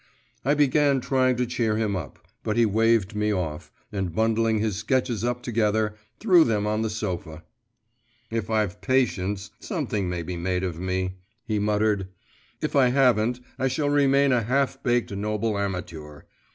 I began trying to cheer him up, but he waved me off, and bundling his sketches up together, threw them on the sofa. 'If I've patience, something may be made of me,' he muttered; 'if I haven't, I shall remain a half baked noble amateur.